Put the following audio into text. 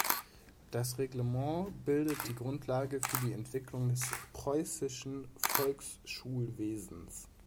Das Reglement bildete die Grundlage für die Entwicklung des preußischen Volksschulwesens.